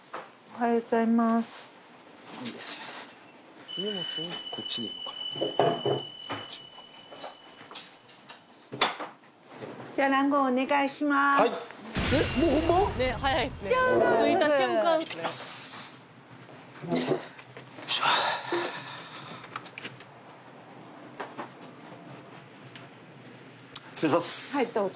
はいどうぞ。